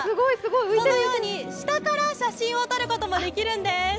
このように下から写真を撮ることもできるんです。